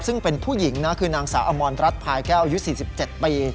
ซึ่งเป็นผู้หญิงนะคือนางสาวอมรรัฐพายแก้วอายุ๔๗ปี